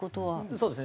そうですね。